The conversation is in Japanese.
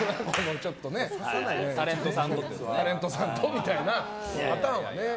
タレントさんとみたいなパターンはね。